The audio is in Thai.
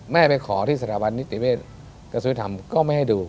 ไปขอที่สถาบันนิติเวศกระทรวงธรรมก็ไม่ให้ดู